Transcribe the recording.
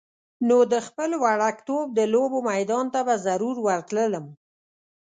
نو د خپل وړکتوب د لوبو میدان ته به ضرور ورتللم.